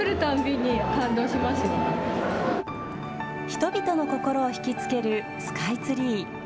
人々の心を引き付けるスカイツリー。